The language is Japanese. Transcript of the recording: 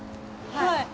はい。